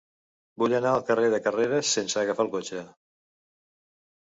Vull anar al carrer de Carreras sense agafar el cotxe.